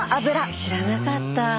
へえ知らなかった。